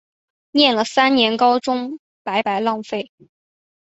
念了三年高中白白浪费